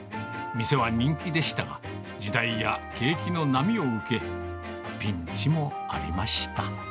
店は人気でしたが、時代や景気の波を受け、ピンチもありました。